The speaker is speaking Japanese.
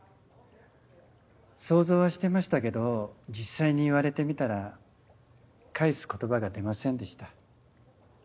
想像はしてましたけど実際に言われてみたら返す言葉が出ませんでした。